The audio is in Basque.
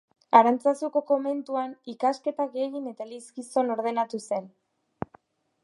Arantzazuko komentuan ikasketak egin eta elizgizon ordenatu zen.